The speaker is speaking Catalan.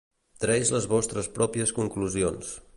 Treis les vostres pròpies conclusions.